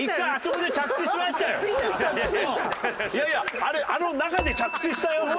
いやいやあれあの中で着地したよ。